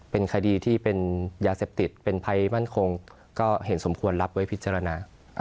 เป็นคดีที่เป็นยาเสพติดเป็นภัยมั่นคงก็เห็นสมควรรับไว้พิจารณา